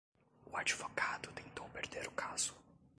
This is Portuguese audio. O advogado tentou perder o caso.